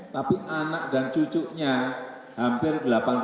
tapi anak dan cucunya hampir delapan puluh